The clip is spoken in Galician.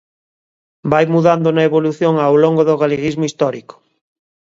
Vai mudando na evolución ao longo do galeguismo histórico.